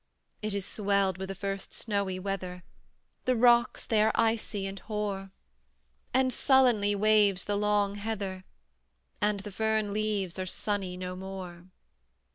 It is swelled with the first snowy weather; The rocks they are icy and hoar, And sullenly waves the long heather, And the fern leaves are sunny no more.